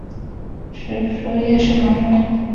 许叔冀是唐朝人。